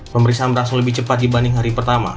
pemeriksaan berlangsung lebih cepat dibanding hari pertama